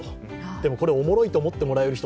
でもこれ、おもろいと思ってくれる人